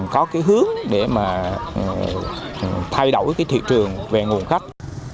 có hướng để thay đổi thị trường về nguồn khách